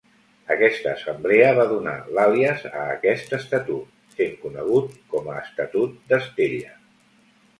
Aquesta assemblea va donar l'àlies a aquest estatut, sent conegut com a Estatut d'Estella.